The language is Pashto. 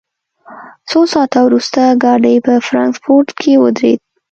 څو ساعته وروسته ګاډی په فرانکفورټ کې ودرېد